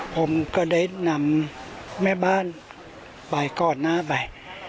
ผมก็ได้นำแม่บ้านไปก่อนหน้าไป